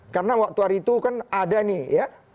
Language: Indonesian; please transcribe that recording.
karena waktu itu kan ada nih ya